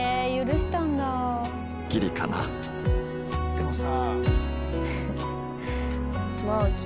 でもさ。